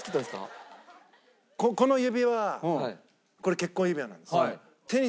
この指輪これ結婚指輪なんですよ。